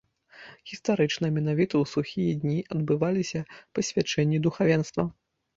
Гістарычна менавіта ў сухія дні адбываліся пасвячэнні духавенства.